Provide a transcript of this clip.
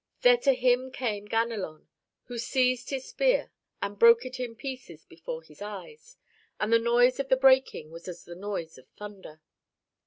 There to him came Ganelon, who seized his spear and broke it in pieces before his eyes, and the noise of the breaking was as the noise of thunder.